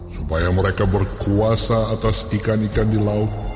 supaya mereka berkuasa atas ikan ikan di laut